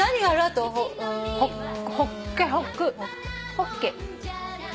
ホッケ。